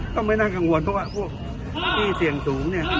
ก็ไม่น่ากังวลเพราะว่าพวกที่เสี่ยงสูงเนี่ย